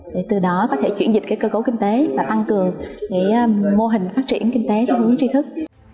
để từ đó có thể chuyển dịch cơ cấu kinh tế và tăng cường mô hình phát triển kinh tế theo hướng tri thức